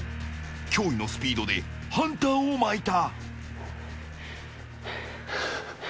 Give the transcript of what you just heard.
驚異のスピードでハンターをまいた。